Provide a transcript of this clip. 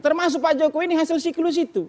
termasuk pak jokowi ini hasil siklus itu